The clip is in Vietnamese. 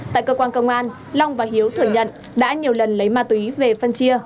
tại cơ quan công an long và hiếu thừa nhận đã nhiều lần lấy ma túy về phân chia